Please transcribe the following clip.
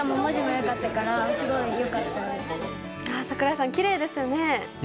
櫻井さん、きれいですよね。